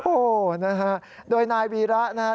โอ้นะฮะโดยนายวีระนะฮะ